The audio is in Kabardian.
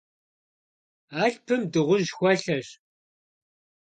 Алъпым дыгъужь хуэлъэщ.